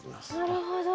なるほど。